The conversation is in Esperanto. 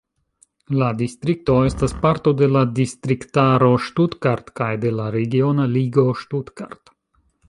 La distrikto estas parto de la distriktaro Stuttgart kaj de la regiona ligo Stuttgart.